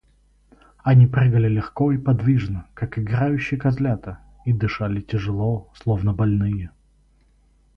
Они прыгали легко и подвижно, как играющие козлята, и дышали тяжело, словно больные.